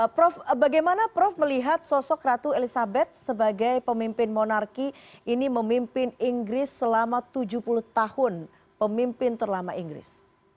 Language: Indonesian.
prof bagaimana prof melihat sosok ratu elizabeth sebagai pemimpin monarki ini memimpin inggris selama tujuh puluh tahun pemimpin terlama inggris